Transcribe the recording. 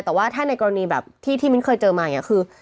แต่ว่าถ้าในกรณีแบบที่มิ้นเคยเจอมาอย่างนี้คือ